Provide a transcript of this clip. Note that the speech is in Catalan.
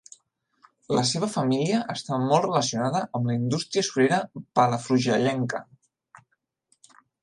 La seva família estava molt relacionada amb la indústria surera palafrugellenca.